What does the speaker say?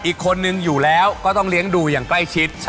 อีกคนนึงอยู่แล้วก็ต้องเลี้ยงดูอย่างใกล้ชิด